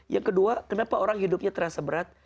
yang kedua kenapa orang hidupnya terasa berat